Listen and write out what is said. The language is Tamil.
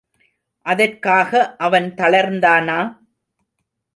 அதற்காக அவன் தளர்ந்தானா?